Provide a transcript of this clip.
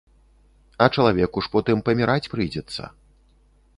А чалавеку ж потым паміраць прыйдзецца.